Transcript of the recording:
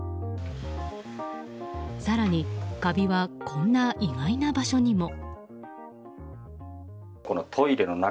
更にカビはこんな意外な場所にも。